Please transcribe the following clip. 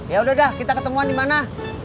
yaudah dah kita ketemuan dimana